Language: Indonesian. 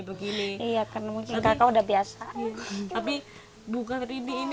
ibu kan sudah biasa ya mungkin melawat anak kecil ini begini